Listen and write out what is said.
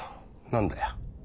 何だよ。